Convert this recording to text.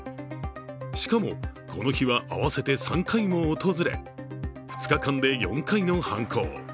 しかも、この日は合わせて３回も訪れ、２日間で４回の犯行。